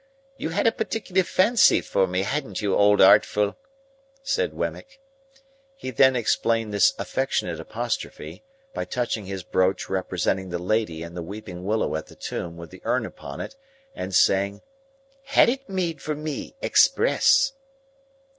You had a particular fancy for me, hadn't you, Old Artful?" said Wemmick. He then explained this affectionate apostrophe, by touching his brooch representing the lady and the weeping willow at the tomb with the urn upon it, and saying, "Had it made for me, express!"